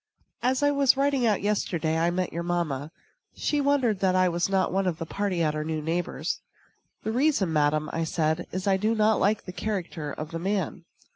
As I was riding out yesterday I met your mamma. She wondered that I was not one of the party at our new neighbor's. "The reason, madam," said I, "is, that I do not like the character of the man."